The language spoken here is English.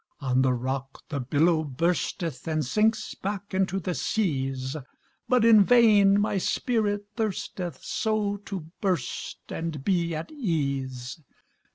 On the rock the billow bursteth And sinks back into the seas, But in vain my spirit thirsteth So to burst and be at ease.